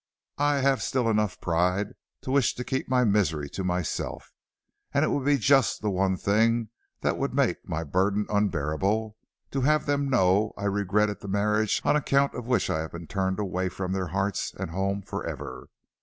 I have still enough pride to wish to keep my misery to myself, and it would be just the one thing that would make my burden unbearable, to have them know I regretted the marriage on account of which I have been turned away from their hearts and home forever.